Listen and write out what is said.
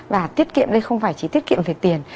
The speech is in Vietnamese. và tiết kiệm đây không phải chỉ tiết kiệm về tiền